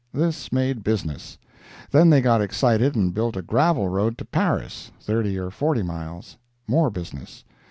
This made business. Then they got excited and built a gravel road to Paris, 30 or 40 miles. More business.